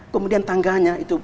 kemudian tangganya itu